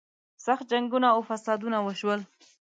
سخت جنګونه او فسادونه وشول.